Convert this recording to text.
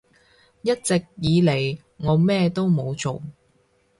一直以嚟我咩都冇做